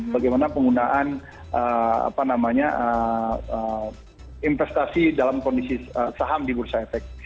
bagaimana penggunaan investasi dalam kondisi saham di bursa efek